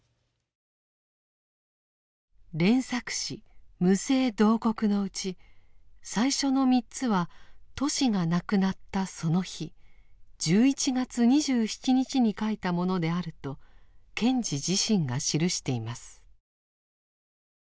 連作詩「無声慟哭」のうち最初の３つはトシが亡くなったその日１１月２７日に書いたものであると賢治自身が記しています。